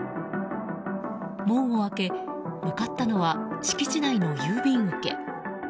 門を開け、向かったのは敷地内の郵便受け。